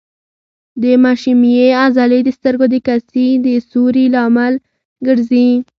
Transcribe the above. د مشیمیې عضلې د سترګو د کسي د سوري لامل ګرځي.